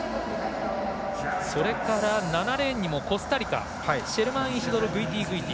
それから、７レーンにもコスタリカシェルマンイシドロ・グイティグイティ